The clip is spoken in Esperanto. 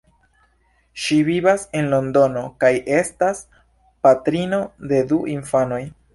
Ŝi vivas en Londono kaj estas patrino de du infanoj.